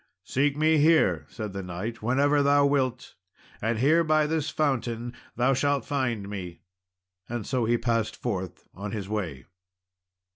"Seek me here," said the knight, "whenever thou wilt, and here by this fountain thou shalt find me;" and so he passed forth on his way.